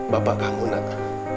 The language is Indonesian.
bapak kamu nak